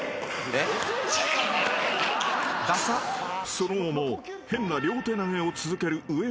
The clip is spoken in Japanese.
［その後も変な両手投げを続ける植村］